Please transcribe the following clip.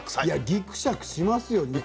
いやぎくしゃくしますよ